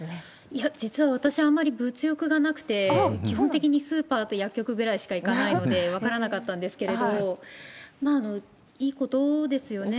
いや、実は私、あんまり物欲がなくて、基本的にスーパーと薬局ぐらいしか行かないので分からなかったんですけれど、いいことですよね。